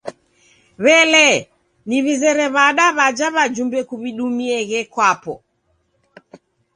W'elee, niw'izere w'ada w'aja w'ajumbe kuw'idumieghe kwapo?